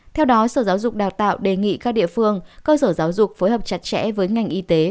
theo đó sở giáo dục đào tạo đề nghị các địa phương cơ sở giáo dục phối hợp chặt chẽ với ngành y tế